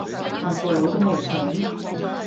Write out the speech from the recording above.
法國佬都未醒